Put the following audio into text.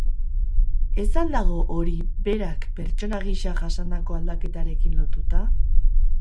Ez al dago hori berak pertsona gisa jasandako aldaketarekin lotuta?